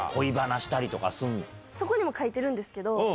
そこにも書いてるんですけど